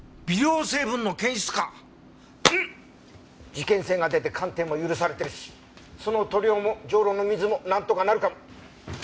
事件性が出て鑑定も許されてるしその塗料もジョウロの水もなんとかなるかも。